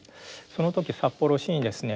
その時札幌市にですね